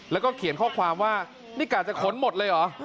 แล้วก็เขียนข้อความว่านี่กะจะขนหมดเลยเหรอ